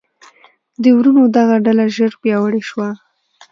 د وروڼو دغه ډله ژر پیاوړې شوه.